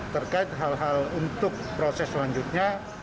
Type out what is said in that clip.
terkait hal hal untuk proses selanjutnya